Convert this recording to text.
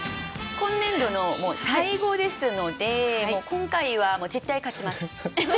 今年度の最後ですので今回は絶対勝ちます！